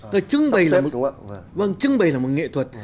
rồi trưng bày là một nghệ thuật